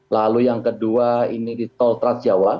lalu yang kedua ini di tol transjawa